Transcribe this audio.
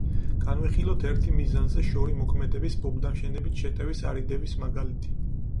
განვიხილოთ ერთი მიზანზე შორი მოქმედების ბომბდამშენებით შეტევის არიდების მაგალითი.